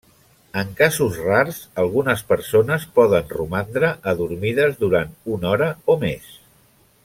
En casos rars, algunes persones poden romandre adormides durant una hora o més.